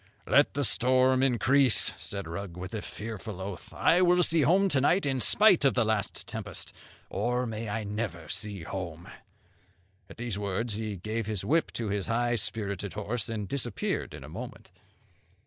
'Let the storm increase,' said Rugg, with a fearful oath, 'I will see home to night, in spite of the last tempest! or may I never see home.' At these words he gave his whip to his high spirited horse, and disappeared in a moment.